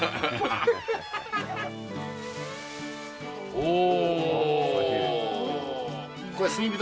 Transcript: おお！